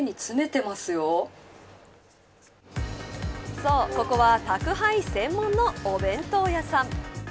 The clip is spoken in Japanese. そう、ここは宅配専門のお弁当屋さん。